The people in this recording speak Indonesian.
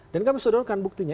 dan kami sudah menurutkan buktinya